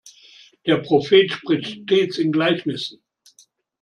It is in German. Der Prophet spricht stets in Gleichnissen.